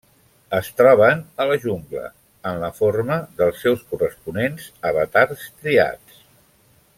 Es troben a la jungla, en la forma dels seus corresponents avatars triats.